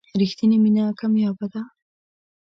رښتینې مینه کمیابه ده.